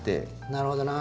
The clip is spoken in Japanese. なるほどな。